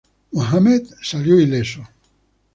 Mohammed salió ileso.